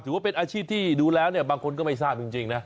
ถือว่าเป็นอาชีพที่ดูแล้วเนี่ยบางคนก็ไม่ทราบจริงนะ